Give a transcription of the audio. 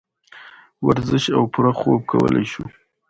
ورزش او پوره خوب کولے شو -